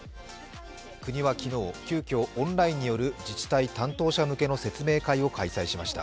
国は昨日、急きょ、オンラインによる自治体担当者向けの説明会を開催しました。